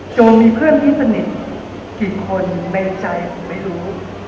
จนมีเพื่อนที่สนิทกี่คนในใจผมไม่รู้